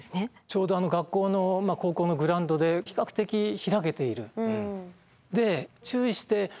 ちょうど学校の高校のグラウンドで比較的開けている。